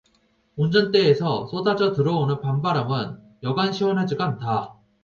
운전대에서 쏟아져 들어오는 밤바람은 여간 시원하지가 않다.